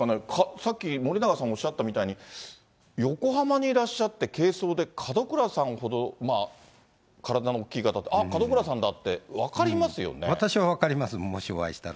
さっき森永さんがおっしゃったみたいに、横浜にいらっしゃって、軽装で、門倉さんほど体の大きい方って、あっ、門倉さんだって、分かりま私は分かります、もしお会いしたら。